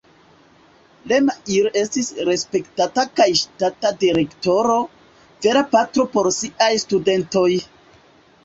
Lemaire estis respektata kaj ŝatata direktoro, vera patro por siaj studentoj.